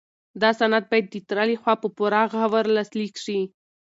دا سند باید د تره لخوا په پوره غور لاسلیک شي.